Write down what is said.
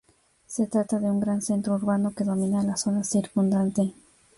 Se trata de un gran centro urbano que domina la zona circundante.